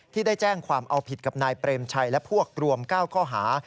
ที่ได้แจ้งความเอาผิดกับนายเปรมชัยและพวกรวม๙ข้อหา